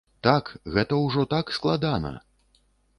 Так, гэта ўжо так складана!